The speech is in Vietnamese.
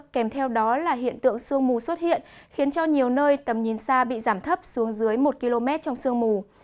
kèm theo đó là hiện tượng sương mù xuất hiện khiến cho nhiều nơi tầm nhìn xa bị giảm thấp xuống dưới một km trong sương mù